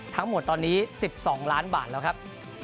ทั้งหมดตอนนี้๑๒ล้านบาทแล้วครับ